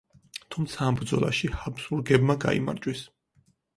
თუმცა ამ ბრძოლაში ჰაბსბურგებმა გაიმარჯვეს.